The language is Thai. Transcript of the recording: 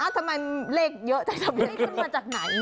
ไม่เอ๊ะทำไมเลขเยอะแต่ทำไมเลขขึ้นมาจากไหน